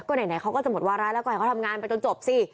ก็ไหนเขาก็จะหมดวาระแล้วก็ให้เขาทำงานไปจนจบสิ